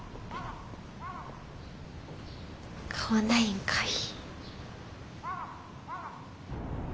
買わないんかい！